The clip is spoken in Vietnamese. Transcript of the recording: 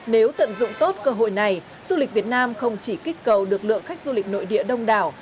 nếu tận dụng tốt cơ hội này du lịch việt nam không chỉ kích cầu được lượng khách du lịch nội địa đông đảo